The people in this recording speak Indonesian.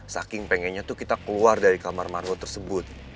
saking pengennya tuh kita keluar dari kamar maruo tersebut